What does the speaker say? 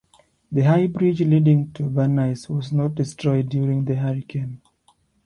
The high bridge leading to Venice was not destroyed during the hurricane.